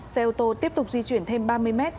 xe ô tô tiếp tục di chuyển thêm ba mươi mét